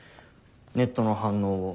ネットの反応を。